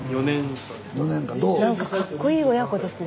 スタジオ何かかっこいい親子ですね。